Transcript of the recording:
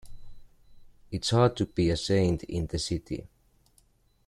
"It's Hard to Be a Saint in the City"